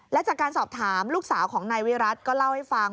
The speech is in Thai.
และจากการสอบถามลูกสาวของนายวิรัติก็เล่าให้ฟัง